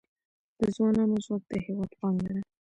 د ځوانانو ځواک د هیواد پانګه ده